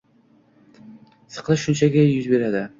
Siqilish shunchaki yuz beradi.